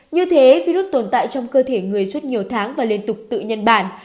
như thế virus tồn tại trong cơ thể người suốt nhiều tháng và liên tục tự nhân bản